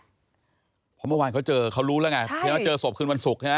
เพราะเมื่อวานเขาเจอเขารู้แล้วไงว่าเจอศพคืนวันศุกร์ใช่ไหม